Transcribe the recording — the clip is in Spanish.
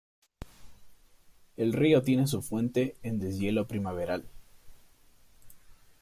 El río tiene su fuente en deshielo primaveral.